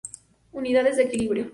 Unidades de equilibrio.